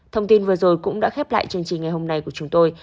thông tin vừa rồi cũng đã khép lại chương trình ngày hôm nay của chúng tôi